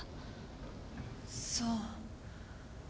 そう。